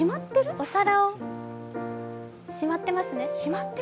お皿をしまってますね。